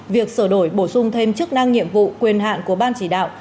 việc sửa đổi bổ sung thêm chức năng nhiệm vụ quyền hạn của ban chỉ đạo